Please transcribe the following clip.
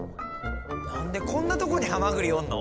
何でこんなとこにハマグリおんの？